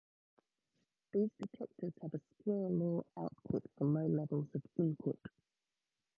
These detectors have a square law output for low levels of input.